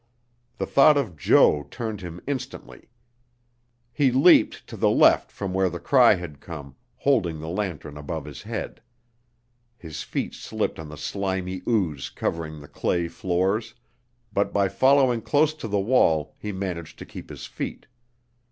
The thought of Jo turned him instantly. He leaped to the left from where the cry had come, holding the lantern above his head. His feet slipped on the slimy ooze covering the clay floors, but by following close to the wall he managed to keep his feet.